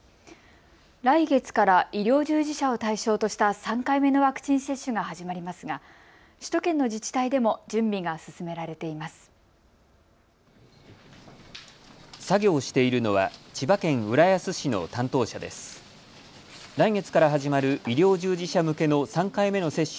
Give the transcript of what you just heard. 来月から医療従事者を対象とした３回目のワクチン接種が始まりますが首都圏の自治体でも準備が進められています。